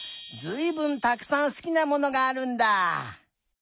ずいぶんたくさんすきなものがあるんだ！